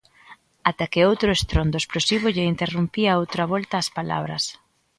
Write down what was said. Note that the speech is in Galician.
Ata que outro estrondo explosivo lle interrompía outra volta as palabras.